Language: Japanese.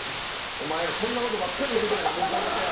お前らそんな事ばっかり言うてたんやろ向こうの部屋で。